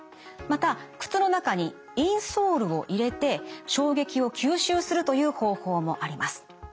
また靴の中にインソールを入れて衝撃を吸収するという方法もあります。